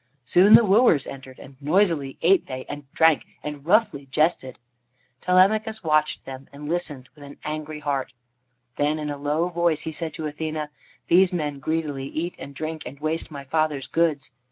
Soon the wooers entered, and noisily ate they and drank, and roughly jested. Telemachus watched them and listened with an angry heart. Then, in a low voice, he said to Athene: "These men greedily eat and drink, and waste my father's goods.